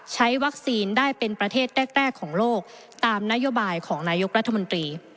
ใช้วัคซีนได้เป็นประเทศแรกของโลกตามนโยบายของนายกรัฐมนตรี